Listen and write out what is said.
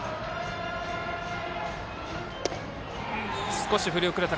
少し振り遅れた。